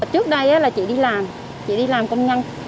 trước đây là chị đi làm chị đi làm công nhân